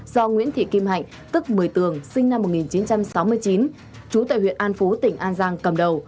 do nguyễn thị kim hạnh tức một mươi tường sinh năm một nghìn chín trăm sáu mươi chín trú tại huyện an phú tỉnh an giang cầm đầu